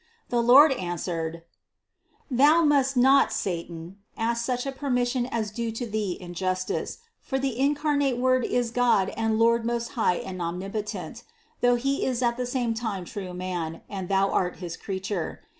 126. The Lord answered: "Thou must not, satan, ask such a permission as due to thee in justice, for the incarnate Word is God and Lord most high and omnip otent, though He is at the same time true man, and thou art his creature.